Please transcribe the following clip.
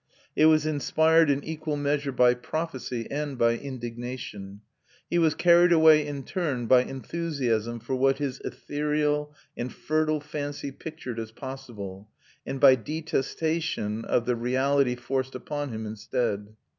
It was inspired in equal measure by prophecy and by indignation. He was carried away in turn by enthusiasm for what his ethereal and fertile fancy pictured as possible, and by detestation of the reality forced upon him instead.